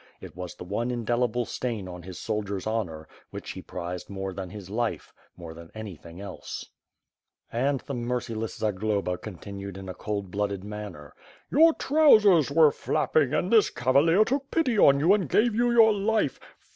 It was the one indelible stain on his soldier's honor, which he prized more than his life; more than anything else. ^.g WITH FIRE AND SWORDl And the merciless Zagloba continued in a cold blooded manner. "Yonr trousers were flapping, and this cavalier took pity on you and gave you your life.